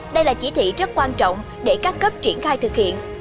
đây là chỉ thị rất quan trọng để các cấp triển khai thực hiện